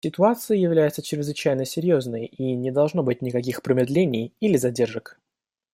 Ситуация является чрезвычайно серьезной, и не должно быть никаких промедлений или задержек.